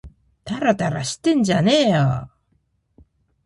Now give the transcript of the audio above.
たらたらしてんじゃねぇよ